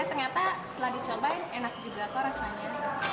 eh ternyata setelah dicobain enak juga tuh rasanya